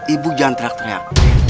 ibu jangan teriak teriak